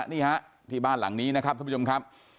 นี่ฮะที่บ้านหลังนี้นะครับท่านผู้ชมครับ